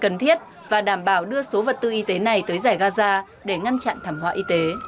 cần thiết và đảm bảo đưa số vật tư y tế này tới giải gaza để ngăn chặn thảm họa y tế